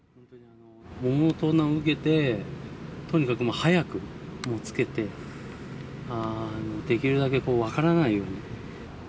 桃の盗難を受けて、とにかくもう早くつけて、できるだけ分からないように。